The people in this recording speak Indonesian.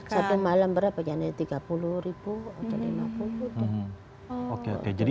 satu malam berapa ya tiga puluh ribu atau lima puluh ribu